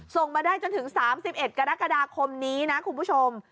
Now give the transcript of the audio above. ส่งมาได้จนถึง๓๑กรกฎาคมนี้นะคุณผู้ชม